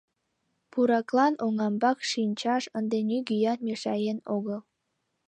Пураклан оҥамбак шинчаш ынде нигӧат мешаен огыл.